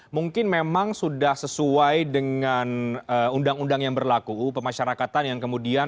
mungkin memang sudah sesuai dengan undang undang yang berlaku pemasyarakatan yang kemudian